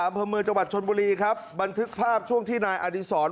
อำเภอเมืองจังหวัดชนบุรีครับบันทึกภาพช่วงที่นายอดีศร